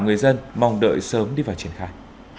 người dân mong đợi sớm đi vào triển khai